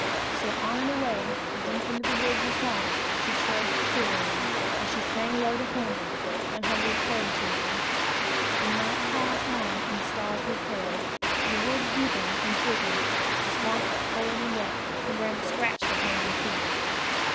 So on and away, deep into the woods and swamps, she trudged cheerily; and she sang low to Hungry, and Hungry purred to her. The night passed on and the stars grew pale, the woods deepened and thickened, the swamps were cold and wet, the brambles scratched her hands and feet.